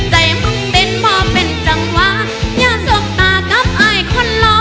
ใจยังต้องเต้นพอเป็นจังหวะอยากสวบตากับอายคนหล่อ